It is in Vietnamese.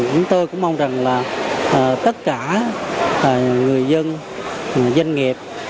chúng tôi cũng mong rằng là tất cả người dân doanh nghiệp